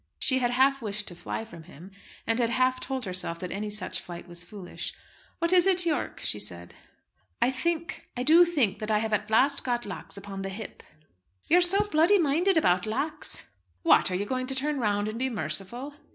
She had half wished to fly from him, and had half told herself that any such flight was foolish. "What is it, Yorke?" she said. "I think, I do think that I have at last got Lax upon the hip." "You are so bloody minded about Lax." "What! Are you going to turn round and be merciful?"